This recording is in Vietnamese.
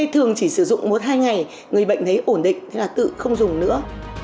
thường chỉ sử dụng một hai ngày người bệnh thấy ổn định thì tự không dùng nữa